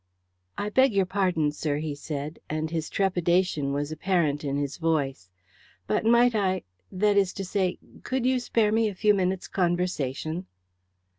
"I beg your pardon, sir," he said, and his trepidation was apparent in his voice. "But might I that is to say, could you spare me a few minutes' conversation?"